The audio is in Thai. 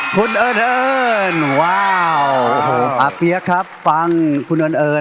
คุณเอิ้นเอิ้นว้าวอาเบี๊ยครับฟังคุณเอิ้นเอิ้น